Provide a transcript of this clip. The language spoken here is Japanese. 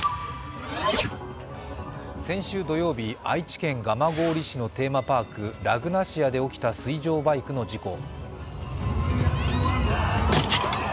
先週土曜日、愛知県蒲郡市のテーマパーク・ラグナシアで起きた水上バイクの事故。